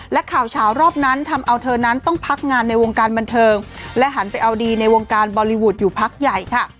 และข่าวเฉารอบนั้นทำเอาเธอนั้นต้องพักงานในวงการบันเทิงและหันไปเอาดีในวงการบอลลีวูดอยู่พักใหญ่ค่ะ